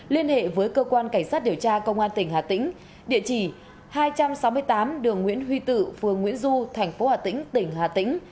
liên hệ với cơ quan cảnh sát điều tra công an tỉnh hà tĩnh địa chỉ hai trăm sáu mươi tám đường nguyễn huy tự phường nguyễn du thành phố hà tĩnh tỉnh hà tĩnh